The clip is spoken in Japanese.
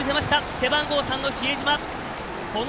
背番号３の比江島。